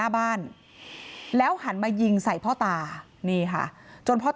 นายสาราวุธตะโกนด่านายพิรายุเพราะคิดว่านายพิรายุขโมยกุญแจรถเก๋งไป